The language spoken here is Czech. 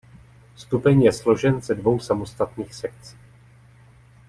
Stupeň je složen ze dvou samostatných sekcí.